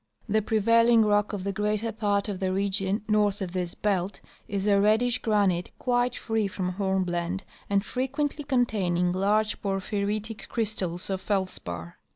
The prevailing rock of the greater part of the region north of this belt is a reddish granite quite free from hornblende and frequently containing large porphyritic crystals of feldspar.